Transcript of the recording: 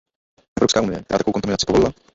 Evropská unie, která takovou kontaminaci povolila?